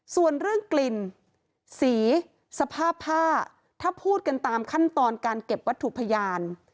ส่วนเรื่องกลิ่นสีสภาพผ้าถ้าพูดกันตามขั้นตอนการเก็บวัตถุพยาน